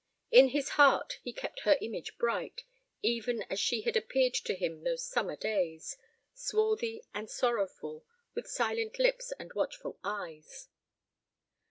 In his heart he kept her image bright, even as she had appeared to him those summer days, swarthy and sorrowful, with silent lips and watchful eyes.